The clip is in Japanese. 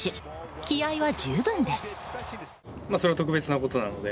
気合は十分です。